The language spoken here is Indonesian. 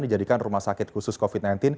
dijadikan rumah sakit khusus covid sembilan belas